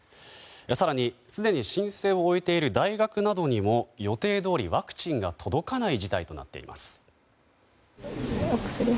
更に、すでに申請を終えている大学などにも予定どおりワクチンが届かない事態となっています。